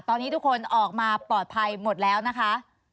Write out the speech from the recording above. ตอนนี้ทุกคนออกมาปลอดภัยหมดแล้วนะคะ